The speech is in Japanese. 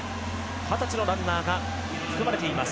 二十歳のランナーが含まれています。